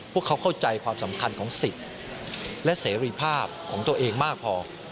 พวกเขาเข้าใจความสำคัญของสิทธิ์และเสรีภาพของตัวเองมากพอ